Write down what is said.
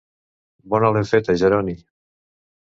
Bona l'hem feta, Geroni!